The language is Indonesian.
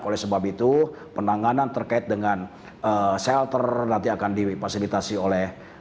oleh sebab itu penanganan terkait dengan shelter nanti akan dipasilitasi oleh